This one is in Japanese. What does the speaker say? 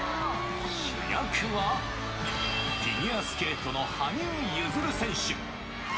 主役は、フィギュアスケートの羽生結弦選手。